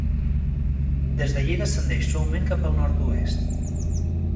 Des d'allí descendeix suaument cap al nord-oest.